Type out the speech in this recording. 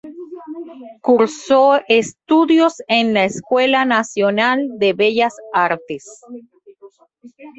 Cursó estudios en la Escuela Nacional de Bellas Artes.